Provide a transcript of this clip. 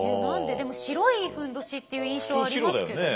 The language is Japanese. でも白いふんどしっていう印象ありますけどね。